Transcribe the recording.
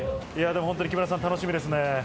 木村さん、楽しみですね。